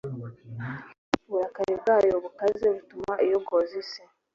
Uburakari bwayo bukaze butuma iyogoza isi